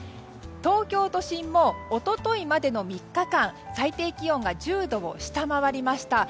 東京都心も一昨日までの３日間最低気温が１０度を下回りました。